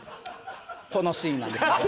このシーンなんです。